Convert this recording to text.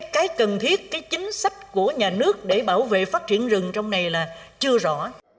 cái cần thiết cái chính sách của nhà nước để bảo vệ phát triển rừng trong này là chưa rõ